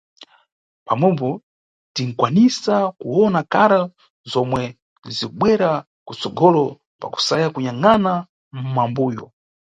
Pomwepo tinʼkwanisa kuwona karo zomwe zikubwera kutsogolo pakusaya kunyangʼana mʼmambuyo.